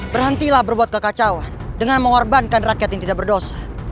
berhentilah berbuat kekacauan dengan mengorbankan rakyat yang tidak berdosa